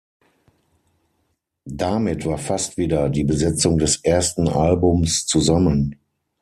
Damit war fast wieder die Besetzung des ersten Albums zusammen.